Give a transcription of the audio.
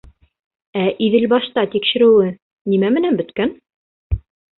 Ә Иҙелбашта тикшереүе нимә менән бөткән?